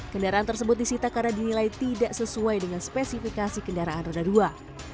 kendaraan tersebut disita karena dinilai tidak sesuai dengan spesifikasi kendaraan roda dua